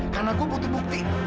karena gue butuh bukti